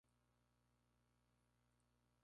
Dirigió varios grupos asociativos locales.